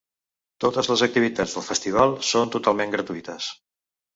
Totes les activitats del festival són totalment gratuïtes.